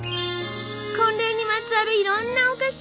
婚礼にまつわるいろんなお菓子！